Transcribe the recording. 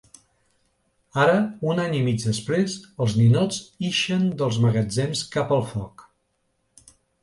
Ara, un any i mig després, els ninots ixen dels magatzems cap al foc.